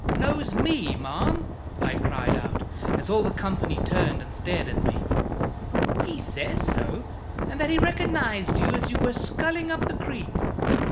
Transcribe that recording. "Knows me, ma'am?" I cried out, as all the company turned and stared at me. "He says so, and that he recognized you as you were sculling up the creek."